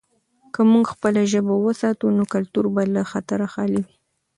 که موږ خپله ژبه وساتو، نو کلتور به له خطره خالي وي.